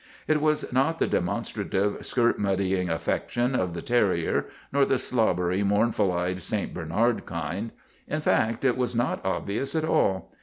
It was not the demonstrative, skirt muddying affection of the ter rier, nor the slobbery, mournful eyed St. Bernard kind. In fact, it was not obvious at all.